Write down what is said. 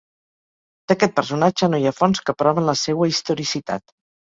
D'aquest personatge no hi ha fonts que proven la seua historicitat.